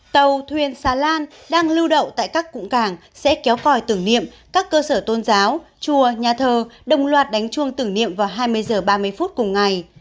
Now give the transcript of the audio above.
tàu thuyền xa lan đang lưu đậu tại các cụng cảng sẽ kéo còi tử nghiệm các cơ sở tôn giáo chùa nhà thờ đồng loạt đánh chuông tử nghiệm vào hai mươi h ba mươi phút cùng ngày